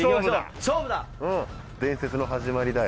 勝負だ！